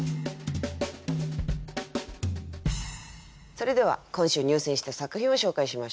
それでは今週入選した作品を紹介しましょう。